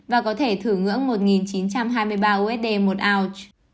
và có thể thử ngưỡng một chín trăm hai mươi ba usd một ounce